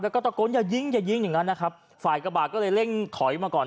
แล้วก็ตะโกนอย่ายิงอย่ายิงอย่างงั้นนะครับฝ่ายกระบาดก็เลยเร่งถอยมาก่อน